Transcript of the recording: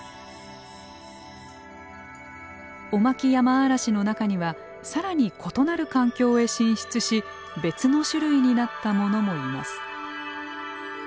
オマキヤマアラシの中には更に異なる環境へ進出し別の種類になった者もいます。